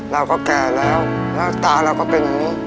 เราก็แก่แล้วแล้วตาเราก็เป็นอย่างนี้